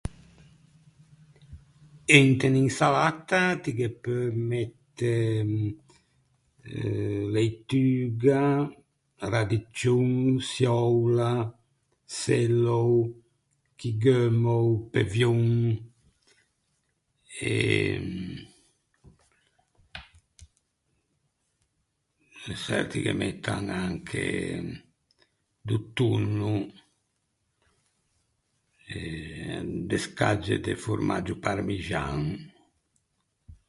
E inte unn’insalatta ti ghe peu mette leituga, radiccion, çioula, sellao, chigheumao, pevion e çerti ghe mettan anche do tonno e de scagge de formaggio parmixan.